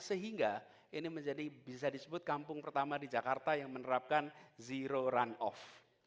sehingga ini bisa disebut kampung pertama di jakarta yang menerapkan zero run off